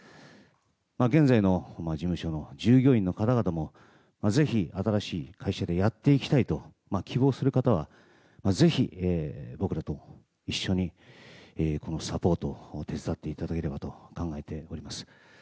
現在の事務所の従業員の方々もぜひ新しい会社でやっていきたいと希望する方はぜひ僕らと一緒にこのサポートを手伝っていただければと考えております。